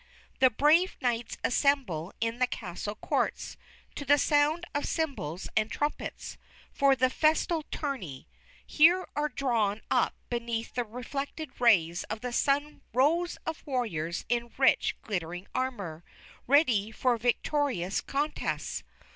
The brave knights assemble in the castle courts, to the sound of cymbals and trumpets, for the festal tourney; here are drawn up beneath the reflected rays of the sun rows of warriors in rich, glittering armor, ready for victorious contests....